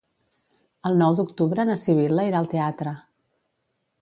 El nou d'octubre na Sibil·la irà al teatre.